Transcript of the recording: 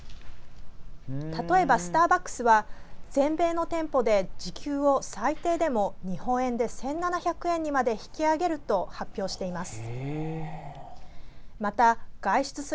例えば、スターバックスは全米の店舗で時給を最低でも日本円で１７００円にまで引き上げると発表しています。